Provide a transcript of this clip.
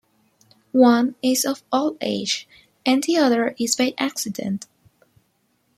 One is of old age, and the other is by accident.